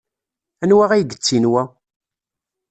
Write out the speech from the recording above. Anwa ay yettin wa?